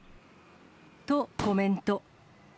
とコメント。